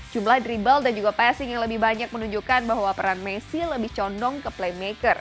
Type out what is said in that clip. jumlah drible dan juga passing yang lebih banyak menunjukkan bahwa peran messi lebih condong ke playmaker